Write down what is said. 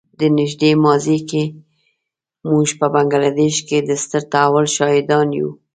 په نږدې ماضي کې موږ په بنګله دېش کې د ستر تحول شاهدان یو.